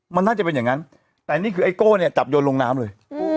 มันน่าจะเป็นอย่างนั้นแต่นี่คือไอโก้เนี่ยจับโยนลงน้ำเลย